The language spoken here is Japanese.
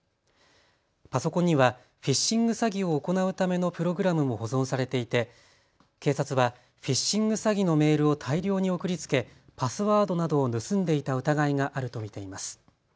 パソコンにはフィッシング詐欺を行うためのプログラムも保存されていて警察はフィッシング詐欺のメールを大量に送りつけパスワードなどを盗んでいた疑いがあると見ています。